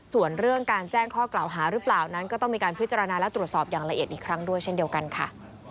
ส่วนเรื่องการแจ้งข้อกล่าวหาหรือเปล่านั้นก็ต้องมีการพิจารณาและตรวจสอบอย่างละเอียดอีกครั้งด้วยเช่นเดียวกันค่ะ